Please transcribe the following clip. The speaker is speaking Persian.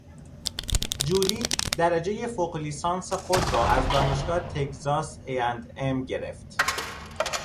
جولی درجهی فوقلیسانسخود را از دانشگاه تگزاس ا. اند. ام گرفت.